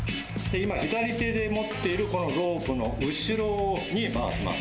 今、左手で持っているこのロープの後ろに回します。